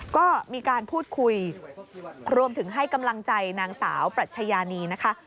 ก็มีการพูดคุยรวมถึงให้กำลังใจนางสาวปรัชญานีนะคะ